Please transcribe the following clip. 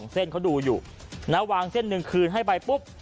เส้นเขาดูอยู่วางเส้นหนึ่งคืนให้ไปปุ๊บ